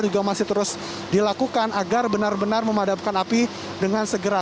juga masih terus dilakukan agar benar benar memadamkan api dengan segera